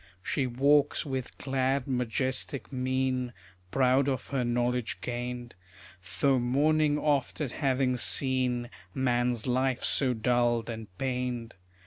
She walks with glad majestic mien, Proud of her knowledge gained; Though mourning oft at having seen Man's life so dulled and pained.